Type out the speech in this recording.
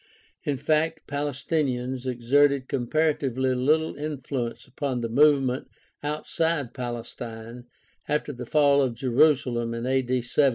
In fact, Palestinians exerted comparatively little influence upon the movement outside Palestine after the fall of Jerusalem in 70 a.d.